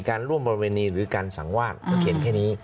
การร่วมประเวณีหรือการสั่งว่างก็เขียนแค่นี้